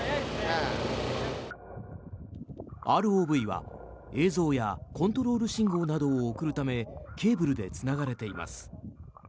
ＲＯＶは映像やコントロール信号などを送るためケーブルでつながれています。